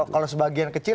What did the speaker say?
kalau sebagian kecil